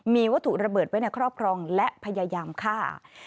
มีวัตถุระเบิดไว้ในครอบครองและพยายามฆ่า